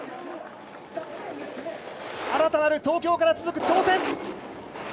新たなる東京から続く挑戦。